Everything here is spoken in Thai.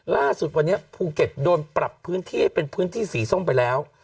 ล่าสุดวันนี้ภูเก็ตโดนปรับพื้นที่ให้เป็นพื้นที่สีส้มไปแล้ว